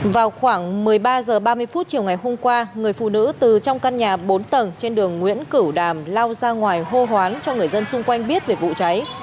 vào khoảng một mươi ba h ba mươi chiều ngày hôm qua người phụ nữ từ trong căn nhà bốn tầng trên đường nguyễn cửu đàm lao ra ngoài hô hoán cho người dân xung quanh biết về vụ cháy